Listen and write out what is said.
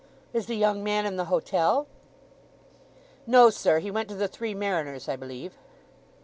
Is the young man in the hotel?" "No, sir. He went to the Three Mariners, I believe."